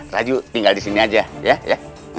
raju tinggal disini aja ya ya